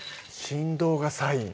振動がサイン？